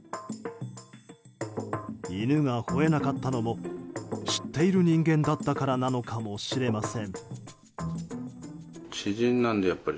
犬が吠えなかったのも知っている人間だったからなのかもしれません。